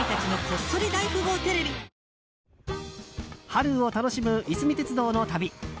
春を楽しむ、いすみ鉄道の旅。